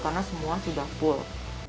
karena semua sudah full